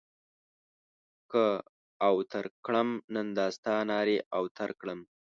که اوتر کړم؛ نن دا ستا نارې اوتر کړم.